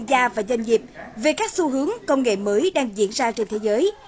gia và doanh nghiệp về các xu hướng công nghệ mới đang diễn ra trên thế giới